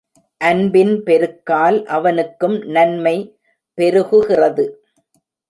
அன்பின் பெருக்கால் அவனுக்கும் நன்மை பெருகுகிறது.